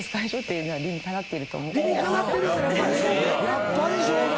やっぱりそうだ。